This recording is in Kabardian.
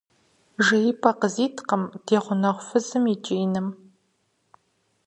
Жеипӏэ къызиткъым ди гъунэгъу фызым и кӏииным.